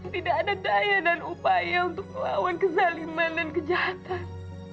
tidak ada daya dan upaya untuk melawan kezaliman dan kejahatan